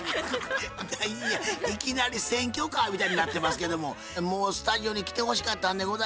何やいきなり選挙カーみたいになってますけどももうスタジオに来てほしかったんでございますけども残念でございます。